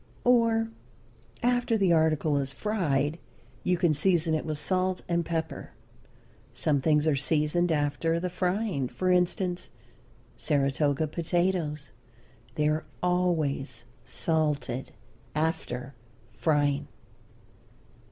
Or, after the article is fried you can season it with salt and pepper. Some things are seasoned after the frying for instance, Saratoga potatoes they are always salted after frying.